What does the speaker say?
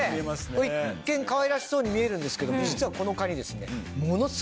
一見かわいらしそうに見えるんですけどこのカニですね。